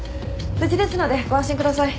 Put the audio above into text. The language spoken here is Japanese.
無事ですのでご安心ください。